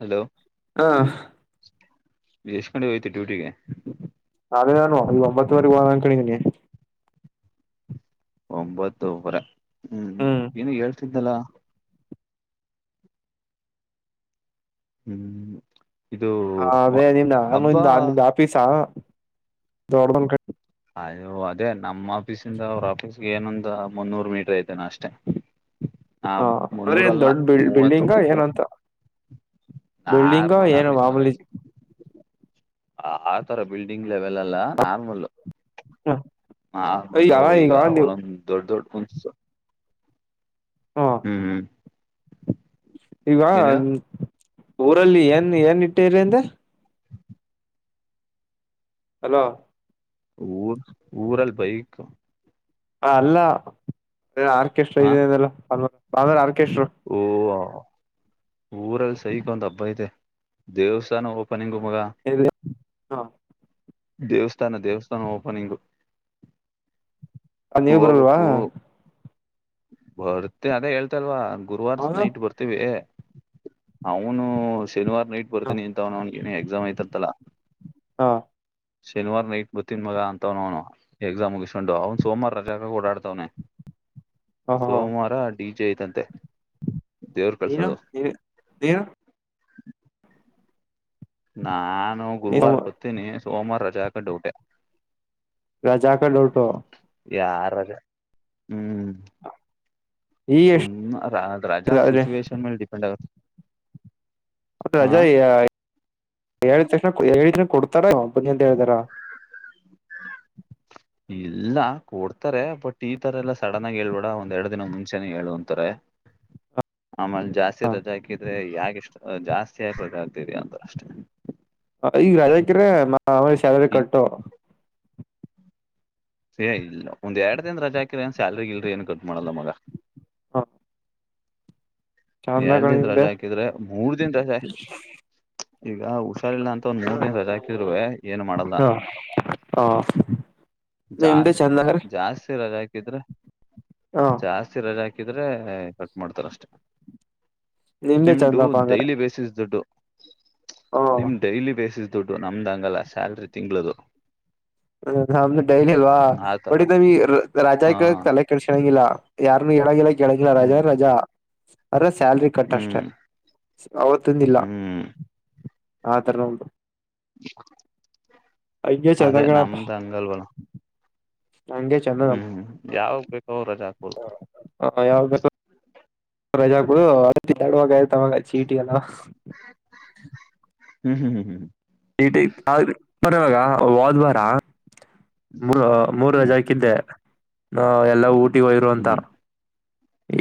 Hello ಹಾ ಎಸ್ಟ್ ಗಂಟೆಗೆ ಹೋಯ್ತಾರೀ ಡ್ಯೂಟಿಗೆ ಅದ ನಾನು ಈ ಒಂಬತ್ತು ವರೆಗೆ ಹೋಗೋಣ ಅಂಕಣಿ ಇದ್ದೀನಿ ಒಂಬತ್ತುವರೆ ಹ್ಮ್ ಹ ಏನೋ ಹೇಳ್ತಿದ್ದನಲ್ಲ ಹ್ಮ್ ಇದು ಹಾ ಮ- ಅದೇ ನಿನ್ನ ನಿ ಹಬ್ಬ ನಿಮ್ದ್ ಆಫೀಸಾ ದೊಡಂದ್ ಕ ಅಯ್ಯೋ ಅದೇ ನಮ್ಮ್ ಆಫೀಸಿಂದ ಅವ್ರ ಆಫೀಸ್ಗೆ ಏನೊಂದ ಮುನ್ನೂರು ಮೀಟರ್ ಐತೆನೋ ಅಷ್ಟೇ ಹಾ ಹ ಅಂದ್ರೆ ಏನ್ ಮುನ್ನೂರಲ್ಲ ದೊಡ್ಡ ಮೂವತ್ತು ಬಿಲ್ಡಿಂಗಾ ನಾರ್ಮಲ್ ಏನೋ ಆಫೀಸ್ ಮಗ ಮಾಮೂಲಿ ಆತರ ಬಿಲ್ಡಿಂಗ್ ಲೆವೆಲಲ್ಲ ನಾರ್ಮಲೂ ಆ ಒಂದು ಈಗ ಒಂದೊಂದ್ ದೊಡ್ಡ ದೊಡ್ಡ [unintelligible] ಹ ಹ್ಮ್ ಹ್ಮ್ ಈಗ ಏನ್ ಹೇಳ ಹ್ಮ್ ಊರಲ್ಲಿ ಏನ್ ಏನ್ ಇಟ್ಟಿರಿ ಅಂದೆ ಹಲೋ ಊರ್ ಊರಲ್ಲಿ ಬೈಕು ಹ ಅಲ್ಲ ಆರ್ಕಸ್ಟ್ರಾ ಹ ಇದೆ ಅಂದಿಲ್ಲ ಹ ಓ ಊರಲ್ಲಿ ಸೈಕ್ ಒಂದ್ ಹಬ್ಬ ಐತೆ ದೇವಸ್ಥಾನ ಓಪನಿಂಗು ಮಗ ಹಾ ದೇವಸ್ಥಾನ ದೇವಸ್ಥಾನ ಓಪನಿಂಗೂ ಅಲ್ಲಿ ನೀವು ಬರಲ್ವಾ ಬರುತ್ತೆ ಅದೇ ಹೇಳ್ತ ಇಲ್ವಾ ಗುರುವಾರಸ್ ಹೌದು ನೈಟ್ ಬರ್ತೀವಿ ಅವನು ಶನಿವಾರ ನೈಟ್ ಬರ್ತನಿ ಅಂತ ಅವನು ಅವನಿಗೆ ಏನೋ ಎಕ್ಸಾಮ್ ಐತಂತ್ತಲ್ಲಾ ಹಾ ಶನಿವಾರ ನೈಟ್ ಬರ್ತಿನ ಮಗ ಅಂತವ್ನ ಅವ್ನು ಎಕ್ಸಾಮಗೆ ಇಸ್ೊಂಡು ಅವ್ನು ಸೋಮವಾರ ರಜಾಕ ಓಾಡ್ತವ್ನೆ ಸೋಮವಾರ ಡಿ ಜೆ ಐತಂತೆ ದೇವ್ರ ೇರ ೇರ ಹ ನಾನು ನೀನು ಗುರುವಾರ ಬರ್ತೀನಿ ಸೋಮವಾರ ರಜಾ ಕಟ್ಟ ಊಟೆ ರಜಾ ಕಡೋಟೋ ಯಾರ ಹ್ಮ್ ಈಗ ಸುಮ್ ರಜಾ ಆ ಎಷ್ಟು ಸಿಚುವೇೇಶನ್ ಮೇಲೆ ಡಿಪೆಂಡ್ ಆಗುತ್ತೆ ಅದ ಹಾ ರಜಾ ಎ ತಕ್ಷಣ ಎ ಜನ ಕೊಡ್ತಾರ ಬನ್ನಿ ಅಂತ ಹೇಳ್ದಾರ ಇಲ್ಲ ಕೊಡ್ತಾರೆ ಬಟ್ ಈ ತರ ಎಲ್ಲ ಸಡನ್ ಆಗಿ ಹೇಳ್ಬೇಡ ಒಂದ್ ಎರಡ್ ದಿನ ಮುಂಚೆನೆೇ ಹೇಳ ಅಂತಾರೆ [inaudible] ಆಮೇ ಜಾಸ್ತಿ ರಜಾ ಹಾಕಿದ್ರೆ ಯಾೆಷ್ಟು ಜಾಸ್ತಿ ಆ ರಜಾ ಹಾಕ್ತರಿ ಅಂತ ಅಷ್ಟೇ ಈಗ ರಜಾಕ್ರ ಮಾಲಿ ಸಾಲರಿ ಕಟ್ಟು ಸಏ ಇಲ್ಲ ಒಂದ್ ಎರಡು ದಿನ ರಜಾ ಹಾಕಿರ ಏನ್ ಸ್ಯಾಲ್ರಿ ಇಲ್ರರಿ ಏನ್ ಕಟ್ ಮಾಡಲ್ಲ ಮಗ ಹಾ ಎರ ದಿನ ರಜಾ ಹಾಕಿದ್ರೆ ಮೂರ್ ದನ್ ರಜಾ ಈಗ ಹುಷಾರಿಲ್ಲ ಅಂತ ಒಂದ್ ಮೂರ್ ದಿನ ರಜಾ ಹಾಕಿದ್ೂೆ ಏನು ಮಾಡಲ್ಲ ಹಾ ಹಾ ನಿಮ್ದೆ ಜಾಸ್ತಿ ಚಂದ ಅಂಗಾರ ಜಾಸ್ತಿ ರಾ ಾಕಿದ್ರೆ ಹ ಜಾಸ್ತಿ ರಜೆ ಹಾಕಿದ್ರೆ ಕಟ್ ಮಾಡ್ತಾರ ಅಷ್ಟೇ ನಿಮ್ದೆ ನಿಮ್ದು ಚಂದಪ್ಪ ಅಂಗಾರ ಡೈಲಿ ಬೇಸಿಸ್ ದುಡ್ಡು ಹ ನಿಮ ಡೈಲಿ ಬೇಸ್ ದುಡ್ಡು ನಮ್ದಂಗಲ್ಲ ಸ್ಯಾಲ್ರಿ ತಿಂಗಳದು ಹ ನಮ್ದು ಡೈಲಿ ಅಲ್ವಾ ಆತರ ಬಟ್ಟ ನ ರಾಜಾ ಹಾ ಕ ತಲೆ ಕೆಡಸಣಂಗಿಲ್ಲ ಯಾರನು ಎಳಗಿಲ್ಲ ಕೆಳಗಿಲ್ಲ ರಾಜ ಹ್ಮ್ ರಜಾ ಅರ ಸ್ಯಾಲ್ರಿ ಕಟ್ ಅಷ್ಟೆ ಹ್ಮ್ ಅವತ್ತಂದಿಲ್ಲ ಹ್ಮ್ ಆತರ ಉಂಟು ಚಂದ ಅದೇ ಕಣಪ್ಪ ನಮ್ಮಂತ ಅಂಗಲ್ ಬಳ ಹಂಗೆ ಚಂದ ಹ್ಮ್ ಹ್ಮ್ ಯಾವಾಗ ಬೇಕು ಅವ್ ರಜೆ ಹಾಕಬಲ್ [inaudible] ರಜಾಗಳು ಎಡುವಾಗ ಆಯತವಾಗ ಚೀಟಿ ಎಲ್ಲ ಹ್ಮ ಹ್ ಇ ಪರವಾಗ ಹೋದ್ ವಾರ ಮೂ ಮೂರ್ ಹ್ಮ್ ಹ್ಮ್ ರಜೆ ಹಕಿದ್ದೆ ನ ಎಲ್ಲ ಊಟಿಗೆ ಹೋಯಿರುವಂತ ಹ್ಮ್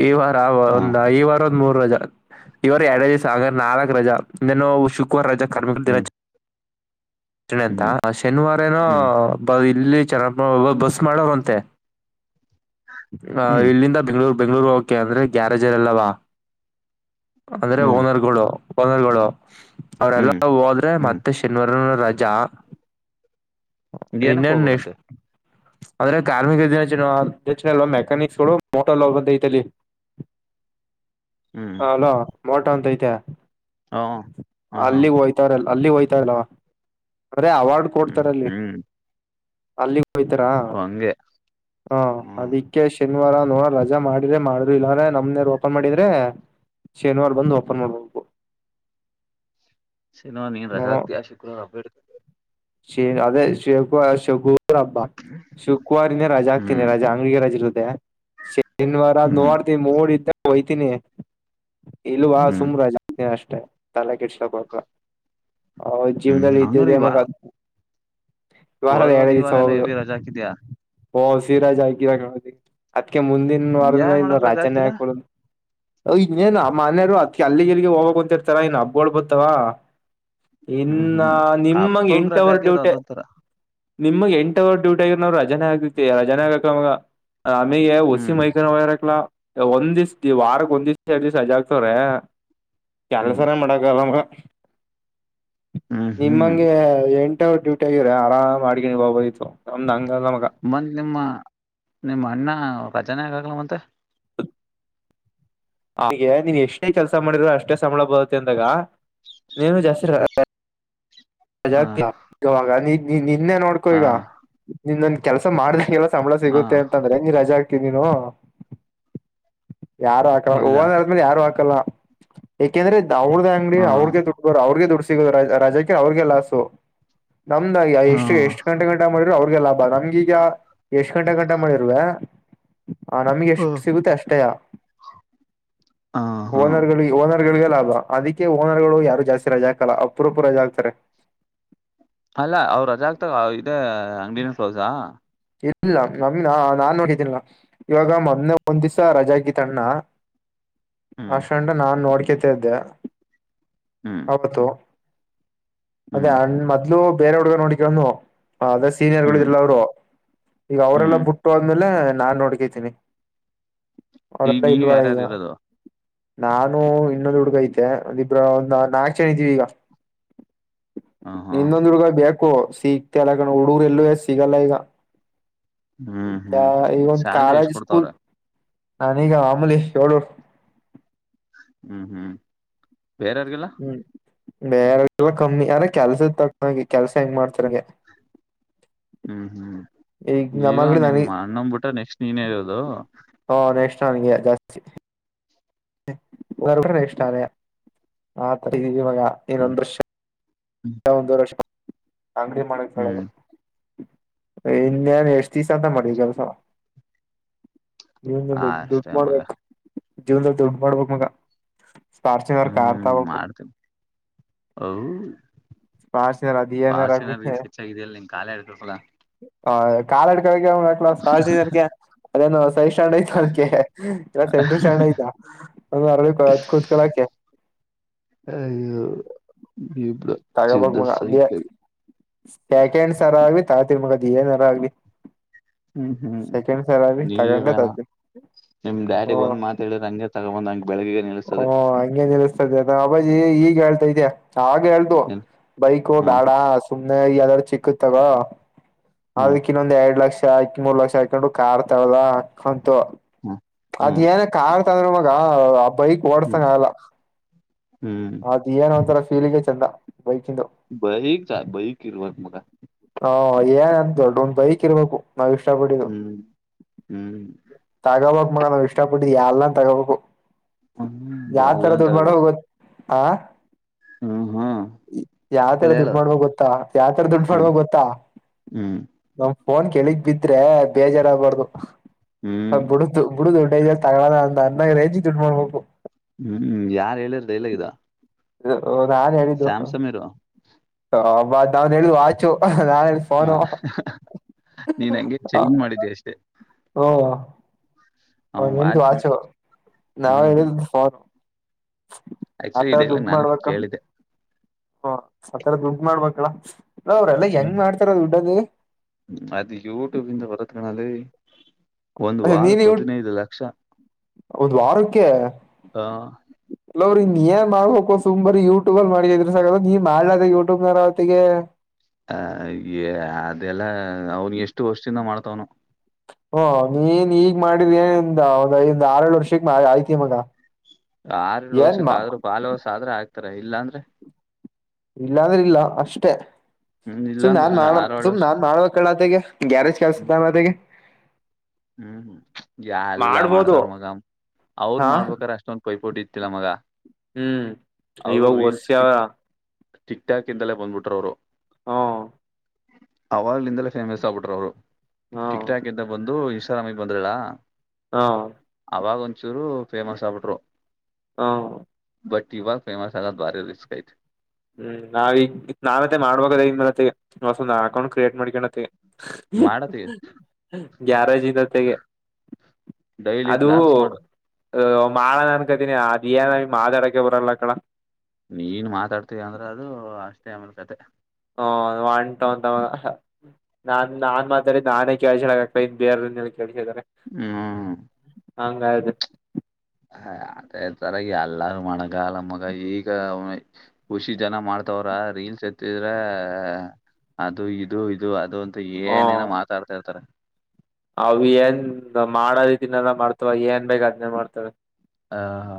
ಈ ವಾರ ಹಾ ಒಂದ ಈ ವಾರ ಮೂರು ರಜಾ ಇವರು ಎರಡು ರಜ ಸಾಗರ್ ನಾಲ್ಕು ರಜಾ ಇನು ಶುಕವಾರ್ ರಜ ಕಾರಬೇಕರ ಹ್ಮ್ ಣ ಹ್ಮ್ ಅಂತ ಶನಿವಾರನೋ ಹ್ಮ್ ಬ ಇಲ್ಲಿ ಚನ ಬಸ್ ಮಾಡಂತೆ ಹ್ಮ್ ಇಲ್ಲಿಂದ ಬೆಂ್ಗಳೂರು ಬೆಂ್ಗಳೂರು ಹೋಗಕೆ ಅಂದ್ರೆ ಗ್ಯಾರೇಜಲ್ಲವಾ ಅಂದ್ರೆ ಹ್ಮ್ ಓನರ್ಗಳು ಪನರ್ಗಳು ಅವರೆೆಲ್ಲ ಹ್ಮ್ ಹೋದ್ರೆ ಮತ್ತೆ ಹ್ಮ್ ಶನಿವಾರ ರಜಾ ಏನಕ್ ಇನ್ನೇನ್ ನೆಕ್ಸ್ಟ್ ಹೋಗ್ಬಬೇಕಂತೆ ಅಂದ್ರೆ ಕಾರ್ಮಿಕ ದಿನಿನ ಮೆಕ್ಯಾನಿಕ್ಸ್ ಗಳು ಮೋಟಾರ್ೋಗ ಐಲ್ಲಿ ಹ್ಮ್ ಹಲ ಮೋಟ ಅಂತ ಐತೆ ಹ ಹ ಹಾ ಅಲ್ಲಿಗೆ ಹಯ್ತಾರಲ್ಲ ಅಲ್ಲಿಗೆ ಹೋಯ್ತಾರಲ್ಲವಾ ಅದೇ ಅವಾರ್ಡ್ ಹ್ಮ್ ಕೊಡ್ತಾರ ಅಲ್ಲಿ ಹ್ಮ್ ಅಲ್ಲಿ ಹಯತರಾ ಓ ಹಂಗೆ ಹ ಹ್ಮ್ ಅದಿಕ್ಕೆ ಶನಿವಾರ ನೋಡಲ್ಲ ಜ ಮಾಡಿದ್ರೆ ಮಾಡ್ರರು ಇಲ್ಲಾಂದ್ರೆ ನಮನ ಓಪನ್ ಮಾಡಿದ್ರೆ ಶನಿವಾರ ಬಂದು ಓಪನ್ ಮಾಡ್ಬಬೇಕು ಸಿನ ನೀನ್ ರಜ ಆತತಿಾ ಶು್ರವ ಹಬೇ ಶ ಅದೇ ಶು ಶು ಹಬ್ಬ ಶುಕ್ರಾರಿನೇ ರಜಾ ಹಾಕ್ತೀನಿ ಹ್ಮ್ ರಜಾ ಅಂಗಡಿಗೆ ರಜೆ ಇರುತ್ತೆ ಶನಿವಾರ್ ಹ್ಮ್ ನೋಡ್ತ ಮೂೋಡ್ದ ಹಯ್ತೀನಿ ಇಲ್ವಾ ಹ್ಮ್ ಸುಮ್ರ ಜ ಅಷ್ಟೇ ತಲೆ ಕೆ ಇಟ್ಲಕ್ ಹ ಹ್ಮ್ ಜೀವ್ನಲ್ಲಿ ಹಂಗ್ರ ಇದ್ದಿದೆ ಇವ ಮಗ ವಾರದ ಹೋದ್ ವಾರ ಎರಡ ಈ ದಿವಿಸ ವಾರ ಎಲ್ಲ ಹೋಗಬಹುದು ಹೆವಿ ರಜಾ ಹಾಕಿದ್ಯಾ ಓಸರಾಜ್ ಹಾಕಿರ ಅದ್ಕ ಮುಂದಿನ ವಾರದ ಏನ್ ಇನ್ನು ಮಾಡಕ್ ರಜಾ ರಾಜನೇ ಹಾಕ್ತಿಲ್ಲ ಹಾಕಡುದು ಅ ಇನ್ನೇನ್ ಮನೆಯವರು ಅ ಅಲ್ಲಿಗೆಲ್ಲಿಗೆ ಹೋಗಕ್ತಿರ್ತಾರ ಇನ್ ಹಬ್ಬಗಳು ಬತ್ತಾವ ಹ್ಮ್ ಇನ್ನ ಹ್ಮ್ ನಿಮಗ್ ಹಬ್ಬಕ್ ಎಂಟು ರಜಾ ಅವರ್ ಹಾಕಿದ್ರ ಡ್ಯೂಟಿ ಅದೊಂತರ ನಿಮಗೆ ಎಂಟ ಅವರ್ ಡ್ಯೂಟಿ ಆ ನಾವು ರಜಾನ ಆಗತಿ ರಜಾನ ಆಗಕ್ ಮ ಆಮೆ ಹಸಿ ಹ್ಮ್ ಮೈಕರಕ್ಲಾ ಒಂದ್ ದಿವಿಸ ದ ವಾರಕ್ ಒಂದ್ ದಿವ್ಸ A ದಿವ್ ಸಜಾ ಆಗ್ತವ್ರೆ hmm ಕೆಲ್ಸನೇ ಮಾಡಕಲ್ಲಮ್ಮ hmm hmm ನಿಮಂಗೆ ಎಂಟವರ್ duty ಆಗ್ರ ಆರಾಮ್ ಅಡ್ಗ ನೀ ಒಬಯ್ತು ಒಂದ ಅಂಗಲ್ಲ ಮಗ ಬಂದ್ ನಿಮ್ಮ ನಿಮ್ಮ ಅಣ್ಣ ರಜನ ಆಗ ಆಗಲ ಮತ್ ಹಾಗೆ ನೀನ್ ಎಷ್ಟೇ ಕೆಲ್ಸ ಮಾಡಿದರು ಅಷ್ಟೇ ಸಂಬಳ ಬದತ್ತ ಅಂದಾಗ. ನೀನು ಜಾಸ್ತಿ. ಹ ಜಾವಾಗ ನೀ ನಿನ್ನೆ ನೋಡ್ಕೊ ಹ ಈಗ ನಿನ್ನೊಂದ ಕೆಲ್ಸ ಮಾಡ್ದಲ್ಲ. ಸಂಬಳ ಹ ಸಿಗುತ್ತೆ ಅಂತಂದ್ರೆ ನೀ ರಜಾ ಆಗ್ತಿ ನೀನು. ಯಾರು ಹಾಕಲ್ಲ ಇಲ್ಲ ಹಓಂದದ್ಮೇಲೆ ಯಾರು ಹಾಕಲ್ಲ ಯಏಕೆಂದ್ರೆ. ಅವ್ರ್ದ ಅಂಗಡಿ ಹ ಅವ್ರಿಗೆ ದುಡ್ಡೋರು ಅವ್ರಿಗೆ ದುಡ್ಡು ಸಿಗೋ ರಜಾಕ ಅವ್ರಿಗೆ ಲಾಸು. ನಮ್ದ ಹ ಎಷ್ಟು ಎಷ್ಟು ಗಂಟೆ ಗಂಟ ಮಾಡ. ಅವ್ರಗೆ ಲಾಭ ನಮ್ಗೀಗ ಎಷ್ಟ್ ಗಂಟೆ ಗಂಟೆ ಮಳಿ ಇರುವೆ. ಹ ನಮ್ಗೆ ಎಷ್ಟು ಸಿಗುತ್ತೆ ಅಷ್ಟೇಯ ಹ ಹ ಓನರ್ಗಳು ಓನರ್. ಗಳ ಲಾಭ ಅದಕ್ಕೆ ಓನರ್ಗಳು ಯಾರು ಜಾಸ್ತಿ ರಜೆ ಹಾಕಲ್ಲ ಅಪುರೊಪು ರಜೆ ಹಗ್ತಾರೆ. ಅಲ್ಲ ಅವ್ ರಜಾ ಆಗ್ತ ಇ ಅಂಗಡಿನ ಪ್ರೌಜಾ. ಇಲ್ಲ ನಮನಾ ನಾನ್ ನೋಡಿದ್ದೀನ ಇವಾಗ ಮೊ ಒಂದ್ ದಿವ್ಸ ರಜ ಗೀತ ಅಣ್ಣ. [inaudible] ಹ್ಮ್ ಅಷ್ಟಂಡ ನಾನ್ ನೋಡ್ಕತ ಇದ್ದೆ ಹ್ಮ್ ಹೌತ್ತು. ಅದೇ ಹ್ಮ್ ಅಣ್ ಮೊದ್ಲು ಬೇರೆ ಹುಡ್ಗ ನೋಡಿಕನು ಅದೇ ಸೀನಿಯರ್ಗಳು ಹ್ಮ್ ಇರಲ್ಲ ಅವರು. ಈಗ ಅವರೆಲ್ಲ ಹ್ಮ್ ಬಿಟ್ಟು ಅಂದ್ಮೇಲೆ ನಾನ್ ನೋಡ್ಕತೀನಿ. ಈಗ ಹಲ್ಲ ನೀವ್ ಇಲ್ಲವ ಯಾರ್ಯಾರು ಯ. ಇರೋದು ನಾನು ಇನ್ನೊಂದು ಹುಡ್ಗೈಐತೆಬ್ರ ಒಂದ ನಾಲ್ಕು ಜನ ಇದ್ದೀವಿ ಈಗ. ಹ ಹಾ ಇನ್ನೊಂದ್ ಹುಡ್ಗ ಬೇಕು ಸಿಗ್ತಲ್ಲಾಕ ಹುಡುಗರು ಎಲ್ಲೂ ಎಷ್ಟ ಸಿಗಲ್ಲ ಈಗ. ಹ್ಮ್ ಹ್ಮ್ ಇವಂದು ಸ್ಯಾಲ್ರಿ ಎಷ್ಟ್ ಕಾಲೇಜ್ ಸ್ಕೂಲ್. ಕೊಡ್ತಾವ್ರ ನಾ ಈಗ ಅಮುಲೀಷ್ ಳೂರ್. ಹ್ಮ್ ಹ್ಮ್ ಬೇರ ಯಾರ್ಗೆಲ್ಲ. ಹ್ಮ್ ಬೇರೆಲ್ಲ ಕಮ್ಮಿ ಅ್ರ ಕೆಲ್ಸದ ತಕಿ ಕೆಲ್ಸ ಹೆಂಗ್ ಮಾಡ್ತಾರಗೆ. ಹ್ಮ್ ಹ್ಮ್ ಈಗ ನಿಮ್ಮ್ ನನಗ್ ಅಣ್ಣಂದ್ಬಿಟ್ಟ ನೆಕ್ಸ್ಟ್ ನೀನೇ ಇರೋದು. ಹಾ ನೆಕ್ಷ ನನ್ಗೆ ಜಾಸ್ತಿ. ಕೂ ಇಷ್ಟ ಅರೆ ಆ ಇವಾಗ ಹ್ಮ್ ಇನ್ನೊಂದ ದೃಶ್ಯ. ಹ್ಮ್ ಹಂದು ರಷ. ಅಂಗಡಿ ಮಾಡಕ್ ಹೇಳದು ಹ್ಮ್ ಇನ್ನೇನ್ ಎಷ್ಟ್ ದಿವಸ ಅಂತ ಮಾಡಿ ಕೆಲಸ. ಜೀವನ್ದಲ್ಲಿ ದೊಡ್ ದುಡ್ಡು ಅಷ್ಟೇ ಮಗ ಮಾಡ್ಬೇಕಕ್ ಜೀವನದಲ್ಲಿ ದುಡ್ಡ ಮಾಡ್ಬೇಕಕ್ ಮಗ. ಸ್ಪಾರ್ಶಿದರ್ ಕ ಹ್ಮ್ ಆರ್ತಾವಪ್ಪು. ಮಾಡ್ತೀನಿ ಔ ಪಾಚನರಧನರ ಮಿ. ಫಾರ್ಚುನರ್ಗೆ ಸ್ಕಿಚ್ ಆಗಿದೆಯಲ್ಲ ನಿನ್ ಕಾಲೇ ಇರ್ತಲ್ಲ ಹ ಕಾಲಾಡ್ಕ ಸಜ. ಸಣ್ ಆಯ್ತ ಅದಕ್ಕೆ ಎ ಸೆ ಸಣ್ ಆಯ್ತಾ ಒರಳ ಕೂತ್ಕಳಕ. ಹ. ತಗಬ ಮಗ ಅ ಸೇಕೆಂಡ್ ಸರ ಆಗ್ವಿ ತಗತಿ ಮಗ. ದ ಏನರ ಆಗ್ಲಿ ಹ್ಮ್ ಹ್ಮ್ ಸೆಕೆಂಡ್ ಸರ ಆಗ್ಲಿ ನೀವೇನ ತಗೊಂಡೇ. ನಿಮ್ ಡ್ಯಾಡಿ ಒಂದ್ ಮಾತ ಹೇಳಿದ್ರ ಹಂಗೆ ತಗೊಂದ್ಂಗ. ಹಓ ಹಗೆ ನಿಲ್ಲಸ್ತಾ ಇದ ಅಬಾಜಿ ಈಗ ಹೇಳ್ತಾ ಇದ್ಯಾ. ಅವ ಹೇಳ್ತು ಹ್ಮ್ ಬೈಕು ಹ್ಮ್ ಬ್ಯಾಡ ಸುಮ್ನೆ ಎದಾರೂ ಚಿಕ್ಕ ತಗ ಹ್ಮ್ ಅದಕ್ಕ ಇನ್ನೊಂದ ಎರಡ್ ಲಕ್ಷ ಆಾಕಿ ಮೂರ್ ಲಕ್ಷ ಹಾಕೊಂಡು ಕಾರ್ತಾವದ. ಹ್ಮ್ ಅದ್ ಹ್ಮ್ ಏನ ಕತ ಅಂದ್ರೆ ಮಗ. ಬೈಕ್ ಓಡ್ಸಂಗ ಆಗಲ್ಲ ಹ್ಮ್ ಅದ್ ಏನ್ೋತರ ಫೀಲಿಂಗ ಚಂದ. ಬೈಕಿಂದು ಬೈಕ್ ಚ ಬೈ ಇಲ್ಲ ಮಾಗ ಮಗ. ಏನ್ ಅಂತ ದೊಡ್ಡೊಂದ್ ಬೈಕ್ ಇರ್ಬೇಕು ನಾವ್ ಇಷ್ಟ ಪಟ್ಟು ಹ್ಮ್ ಹ್ಮ್ ತಾಗಬ. ನಗ ನಾವು ಇಷ್ಟ ಪಟ್ಟಿದ್ವಿ ಎಲ್ಲ ತಗೋಬೇಕು. ಹ್ಮ್ ಯಾವ್ ತರ ಅಲ್ಲಂತ ದುಡ್ಡು ಮಾಡೋ ಹೋದು. ಗೊತ್ ಆ ಯಾವತರ ಹೇಳಿ ದುಡ್ಡು ಹೇಳು ಮಾಡ್ಬೇಕ ಗೊತ್ತಾ ಯಾವ್ತರ ದುಡ್ಡು ಹ್ಮ್ ಮಾಡ್ಬೇಕ ಗೊತ್ತಾ ಹ್ಮ್ ನಮ್ ಫೋನ್ ಕೆಳಗ್ ಬಿದ್ರೆ ಬೇಜಾರಾಗಗ್ಬಾರ್ದು ಹ್ಮ್ ಬಿಡುದು ಬಿಡುದು ಜ ತಗಳೋದ ಅ ಅನ್ನಾಗ ರೇಜಿ ದುಡ್ಡು ಮಾಡ್ಬೇಕು. ಹ್ಮ್ ಯಾರ್ು ಹೇಳಿರದ ಎಲ್ಲಗಿದ. ನಾನನ್ ಹೇಳಿದ್ದು. ನಾವಂದು ಎದು ವಾಚು ನಾನು ಎನ. ನೀನ್ ಹಂಗೆ ಚೇಂಜ್ ಮಾಡಿದ್ದೆ ಅಷ್ಟೇ ಹಓ. ಅವ ಅವನ್ ಎಿದು ವಾಚ್ ಬಿಲ್ ವಾಚು ನಾಾವ ಹ್ಮ್ ಹೇಳಿದ್ದ ಫೋನ್. ಆಕ್ಚುಲಿ ಆತ ಈ ಡೈಲಾಗ್ ದುಡು ನಾನು ಮಾಡ್ುವಕ್ಕ. ಕೇಳಿದೆ ಹ ಆಥರದ ದುಡ್ ಮಾಡ್ಬೇಕಳ ಅವ್ರಲ್ಲಾ ಹೆಂಗ್ ಮಾಡ್ತಾರ ದುಡ್ಡದು. ಅದ ಯೂಟ್ಯೂಬ್ ಇಂದ ಬರತ್ ಕಣಾಲಲ್ಲಿ. ಒಂದು ವಾರಕ್ಕೆ ಹದಿನೈದು ಲಕ್ಷ. ಹೌದ್ ವಾರಕ್ಕೆ. ಆ ಕೆಲವ್ರ ಇ ಏನ್ ಮಾಡ ಹಕೋ ಸುಮ್ರಿ ಯ. ಯೂಟ್ಯೂಬಲ್ ಮಾಡಿ ಇದ್ರೆ ಸಾಕ ನೀ ಮಾಡ್ಲದ ಯೂಟ್ಯೂಬ್ನರ್ ಅವತ್ತಿಗೆ. ಅ ಅದೆಲ್ಲ ಅವನ್ ಎಷ್ಟು ವಷ್ಟಿಂದ ಮಾಡ್ತವ್ನು. ಹ ನೀನ್ ಈಗ್ ಮಾಡಿದ ಏಂದ್ ಆರಡು ವರ್ಷಕ್ ಆಯ್ತಿ ಮಗ. ಆಾರ್ ಏನ್ ಲೋಸಕ್ ಮಾ ಆದ್ರೂ ಪಾಲುಸ ಆದ್ರ ಆಗ್ತಾರ ಇಲ್ಲಾಂದ್ರೆ. ಇಲ್ಲಾಂದ್ರೆ ಇಲ್ಲ ಅಷ್ಟೆ ಹ್ಮ್ ಇಲ್ಲ ಸುಮ್ ಅಂದ್ರೆ ನಾನ್ ಇಲ್ಲ ಮಾಡ ಆರೇಳು ಸುಮ್ ವರ್ಷ ನಾನ್ ಮಾಡುವ ಕಳ್ಳತೆಗೆ. ಗ್ಯಾರೇಜ್ ಹ್ಮ್ ಕೆಲ್ಸುತ್ತ ಮತ್ತಗೆ. ಹ್ಮ್ ಯ ಎಲ್ಲಾ ಮಾಡ್ತಾರ ಮಗಂ. ಅವ್ರ ಹಾ ಮಾಡ್ಬೇಕ್ರ ಅಷ್ಟೊಂದು ಪೈಪೋಟ ಇತ್ತಿಲ್ಲ ಮಗ. ಹ್ಮ್ ಅವರು ಇವಾಗ ಹೊಸ ರೀಲ್ಸ್ ಅವ. ಟಿಕ್ ಟಿಕ್ ಟಾಕ್ ಇಂದಲೇ ಬಂದ್ಬಿಟ್ರ ಅವರು. ಹಾ. ಆರ್ಲ್ಡ್ ಇಂದಲೇ ಫೇಮಸ್ ಆಗ್ಬಿಟ್್ರ ಅವರು ಹ್ಮ ಟಿಕ್ ಟಾಕ್ ಹ್ಮ ಇಂದ ಬಂದು. ಾಮ ಬಂದರಲಾ. ಹಾ. ಅವಾಗಂಚೂರು ಫೇಮಸ್ ಆಬಿಟರು. ಹಾ. ಬಟ್ಟಿಿವ ಕೇಮ ಹಗ ಬಾರಿ ರಿಸ್ಕ ಇಟ್. ಹ್ಮ್ ನಾವ ಈಗ ನಾನ್ತ್ತ ಮಾಡ್ಬ ಅದೇ ಇನ್ ಮತ್ತಸ ಅಕೌಂಟ್ ಕ್ರಿಯೇಟ್ ಮಾಡಿಕಣತ್ತತಿ. ಮಾಡತಿ ಗ್ಯಾರಜಿಂದ ತೆಗೆ. ಡೈಲಿ ಲಾಕ್ಸ್ ಮಾಡು. ಅ ಮಾಳ ಅನ್ಕತೀನಿ ಅದ ಏನ ಮಾದ ಅಡಕ ಬರಲ್ಲ ಅ ಕಳ. ನೀನ್ ಮಾತಾಡ್ತೀವ ಅಂದ್ರೆ ಅದು ಅಷ್ಟೇ ಆಮೇಲೆ ಕತೆ. ಹ ಒಂಟು ಅಂತ ನಾನ್ ನಾನ್ ಮಾತರಿ ನಾನೇ ಕೇಳ್ಸ ಬೇರ್. ೇಳಿದ್ದಾರೆ. ಹ್ಮ. ಹಂಗ ಅದು. ಹ ಅದೇ ತರಗ ಅಲ್ಲು ಮಗಲ್ಲ ಮಗ ಈಗ ಖುಷಿ ಜನ ಮಾಡ್ತವ್ರ. ರೀಲ್ಸ್ ಎತ್ತಿದ್ರ ಅದು ಇದು ಇದು ಅದು ಮ ಹ ಏನೇನೋ ಮಾತಾಡ್ತಾ ಇರ್ತಾರೆ ಅವ ಏನ್ ಮಾಡದತಿನಲ್ಲ ಮಾಡ್ತವ ಏನ್ ಬೇಕ ಅದ್ನ್ನೇ ಮಾಡ್ತವೆ ಹಾ ಹಾ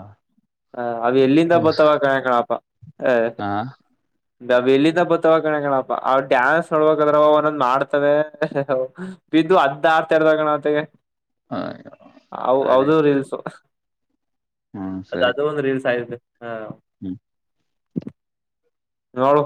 ಹ ಅವ ಎಲ್ಲಿಂದ ಬತ್ತಾವ ಕ ಕಣಪ ಹ ಎಲ್ಲಿಂದ ಬತವ ಕಣ ಕಣಪ್ಪ ಅವ ಡ್ಯಾನ್ಸ್ ನೋಡಬೇಕ ಅದ್ರ ಅವನೊಂದ್ ಮಾಡ್ತವೆ ಬಂದು ಅದ ಆಡ್ತಾ ಇರ್ದಾಗಣ ಹೊತ್ತಿಗೆ ಸರಿ ಹೌದು ಸರಿ ರೀಲ್ಸು ಹ್ಮ್ ಅದ ಸರಿ ಅದು ಒಂದು ರೀಲ್ಸ್ ಆಯು ಹ್ಮ್ ನಾಳು